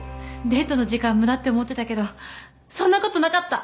デートの時間無駄って思ってたけどそんなことなかった。